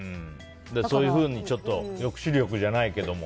そういうふうに抑止力じゃないけれども。